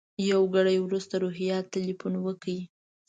یو ګړی وروسته روهیال تیلفون وکړ.